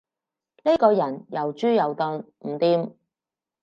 呢個人又豬又鈍，唔掂